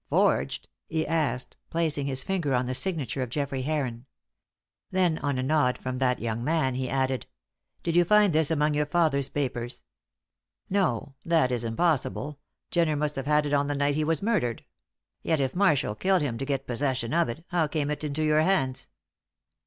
"Forged?" he asked, placing his finger on the signature of Geoffrey Heron. Then on a nod from that young man, he added: "Did you find this among your father's papers? No; that is impossible. Jenner must have had it on the night he was murdered; yet if Marshall killed him to get possession of it, how came it into your hands?"